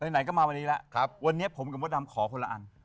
ไหนก็มาวันนี้แล้ววันนี้ผมกับมดดำขอคนละอัน